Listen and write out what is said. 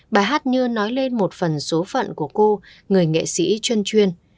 bài hát như nói lên một phần số phận của cô người nghệ sĩ chuyên